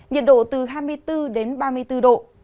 nhiệt độ từ hai mươi bốn đến ba mươi bốn độ